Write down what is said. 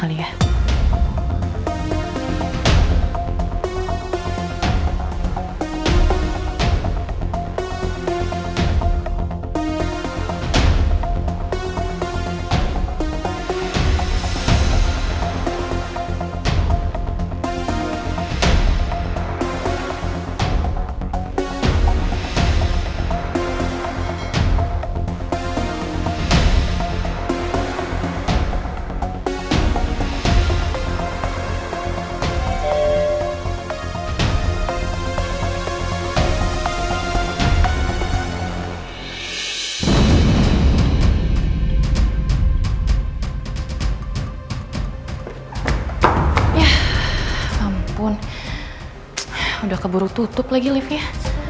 sampai jumpa di video selanjutnya